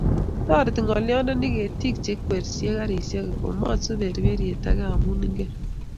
Toreti ngolyondoni ketik che ikweryei garisiech Komatsu berberiet age amu ingen